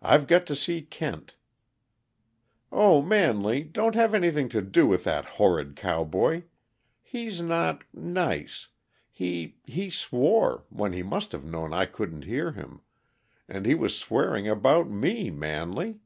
"I've got to see Kent " "Oh, Manley! Don't have anything to do with that horrid cowboy! He's not nice. He he swore, when he must have known I could hear him; and he was swearing about me, Manley.